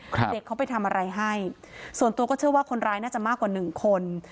เด็กเขาไปทำอะไรให้ส่วนตัวก็เชื่อว่าคนร้ายน่าจะมากกว่าหนึ่งคน